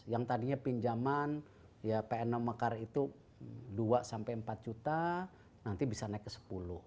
yang tadinya pinjaman ya pnm mekar itu dua sampai empat juta nanti bisa naik ke sepuluh